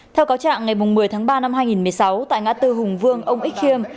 theo cáo trạng ngày một mươi tháng ba năm hai nghìn một mươi sáu tại ngã tư hùng vương ông ích khiêm